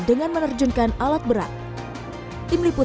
dengan menandatangani jalan yang tersebut